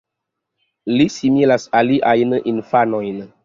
Li similas aliajn infanojn.